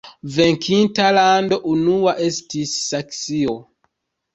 Venkinta lando unua estis Saksio.